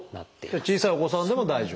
じゃあ小さいお子さんでも大丈夫？